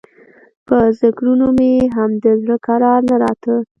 په ذکرونو مې هم د زړه کرار نه راته.